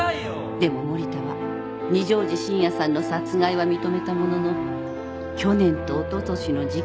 ［でも盛田は二条路信也さんの殺害は認めたものの去年とおととしの事件は否認］